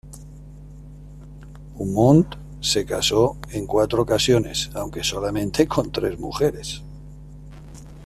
Aumont se casó en cuatro ocasiones, aunque solamente con tres mujeres.